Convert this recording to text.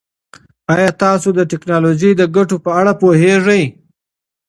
ایا تاسو د ټکنالوژۍ د ګټو په اړه پوهېږئ؟